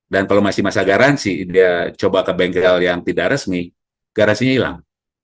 dan kalau masih masa garansi dia coba ke bengkel yang tidak resmi garansinya hilang